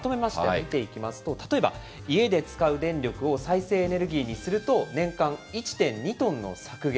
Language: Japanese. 見ていきますと、例えば家で使う電力を再生エネルギーにすると年間１．２トンの削減。